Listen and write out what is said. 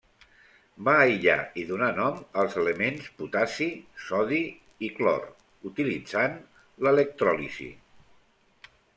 Va aïllar i donar nom als elements potassi, sodi i clor utilitzant l'electròlisi.